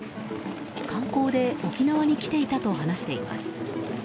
観光で沖縄に来ていたと話しています。